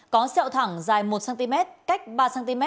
có sẹo thẳng dài một cm cách ba cm